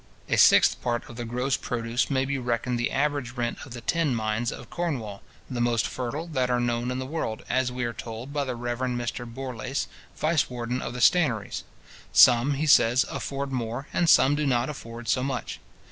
A sixth part of the gross produce may be reckoned the average rent of the tin mines of Cornwall, the most fertile that are known in the world, as we are told by the Rev. Mr. Borlace, vice warden of the stannaries. Some, he says, afford more, and some do not afford so much.